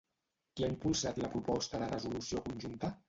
Qui ha impulsat la proposta de resolució conjunta?